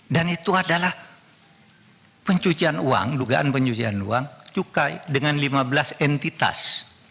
dan itu adalah pencucian uang dugaan pencucian uang cukai dengan lima belas entitas